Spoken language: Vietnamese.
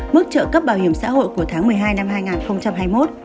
mức trợ cấp bảo hiểm xã hội của tháng một mươi hai năm hai nghìn hai mươi một